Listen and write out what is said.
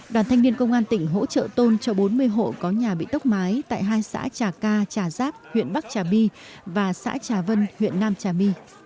đoàn thanh niên công an tỉnh hỗ trợ tôn cho bốn mươi hộ có nhà bị tốc mái tại hai xã trà ca trà giáp huyện bắc trà my và xã trà vân huyện nam trà my